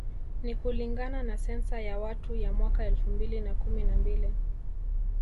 Ni kulingana na sensa ya watu ya mwaka elfu mbili na kumi na mbili